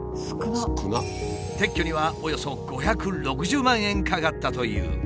撤去にはおよそ５６０万円かかったという。